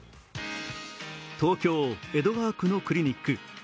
東京・江戸川区のクリニック。